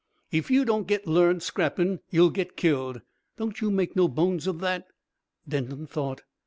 "If you don't get learnt scrapping you'll get killed, don't you make no bones of that." Denton thought.